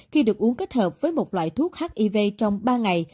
khi được uống kết hợp với một loại thuốc hiv trong ba ngày